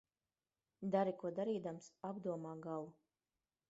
Dari ko darīdams, apdomā galu.